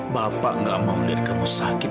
bapak gak mau lihat kamu sakit